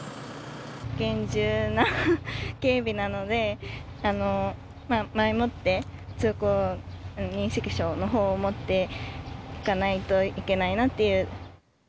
厳重な警備なので、前もって通行の識別証を持ってじゃないと、いけないなっていう。